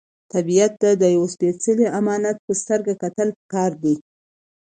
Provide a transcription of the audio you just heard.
طبیعت ته د یو سپېڅلي امانت په سترګه کتل پکار دي.